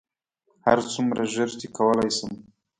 هرڅومره ژر چې کولی شم.